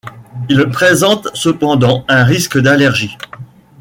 Ils présentent cependant un risque d'allergie.